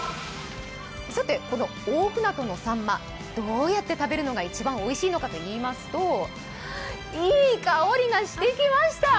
さて、大船渡のさんま、どうやって食べるのが一番おいしいかといいますといい香りがしてきました。